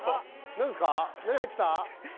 何入ってた？